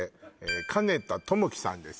金田知樹さんです